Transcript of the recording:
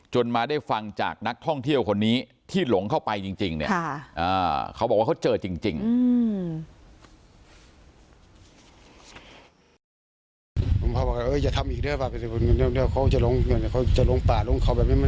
มาได้ฟังจากนักท่องเที่ยวคนนี้ที่หลงเข้าไปจริงเนี่ยเขาบอกว่าเขาเจอจริง